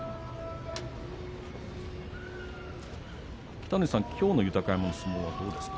北の富士さん、きょうの豊山の相撲はどうですか？